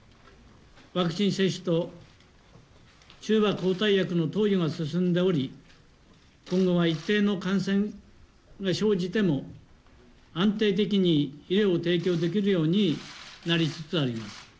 ワクチン接種と、中和抗体薬の投与が進んでおり、今後は一定の感染が生じても、安定的に医療を提供できるようになりつつあります。